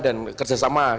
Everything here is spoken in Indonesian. dan kerjasama gitu loh